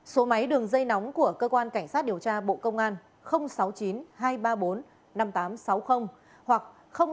số máy đường dây nóng của cơ quan cảnh sát điều tra bộ công an sáu mươi chín hai trăm ba mươi bốn năm nghìn tám trăm sáu mươi hoặc sáu mươi chín hai trăm ba mươi hai một nghìn sáu trăm bảy